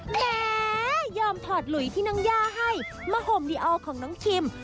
แหมยอมถอดหลุยที่น้องย่าให้มาห่มดีออลของน้องคิม